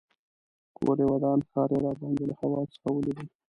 کور یې ودان ښار یې راباندې له هوا څخه ولیده.